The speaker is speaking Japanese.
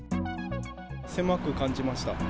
狭く感じました。